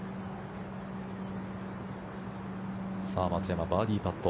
松山、バーディーパット。